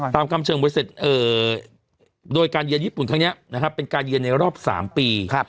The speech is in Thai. ตามกรรมเชิงบริเศษโดยการเรียนญี่ปุ่นทั้งนี้เป็นการเรียนในรอบ๓ปี